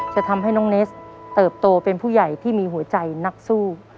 จะทำให้น้องเนสเติบโตเป็นผู้ใหญ่ที่มีหัวใจนักสู้